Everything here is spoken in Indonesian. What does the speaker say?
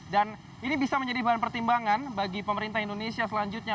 dan ini bisa menjadi bahan pertimbangan bagi pemerintah indonesia selanjutnya